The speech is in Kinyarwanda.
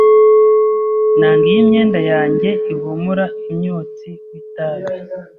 Nanga iyo imyenda yanjye ihumura umwotsi w'itabi.